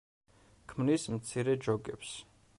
ქმნის მცირე ჯოგებს.